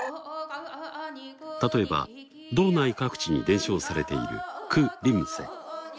例えば道内各地に伝承されているクリムセ。